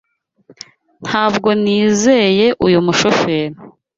Ntabwo nizeye uyu mushoferi.